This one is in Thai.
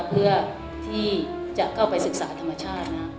เพื่อที่จะเข้าไปศึกษาธรรมชาติ